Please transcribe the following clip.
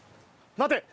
待て！